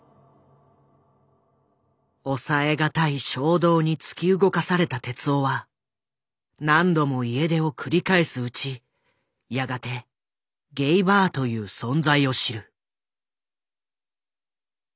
抑えがたい衝動に突き動かされた徹男は何度も家出を繰り返すうちやがてゲイバーという存在を知る。